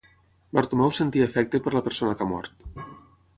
Bartomeu sentia afecte per la persona que ha mort.